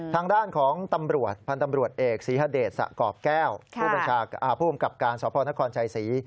ทางด้านของตำรวจพันธ์ตำรวจเอกศรีฮเดชสะกรอบแก้วผู้กำกับการสพนครชัยศรี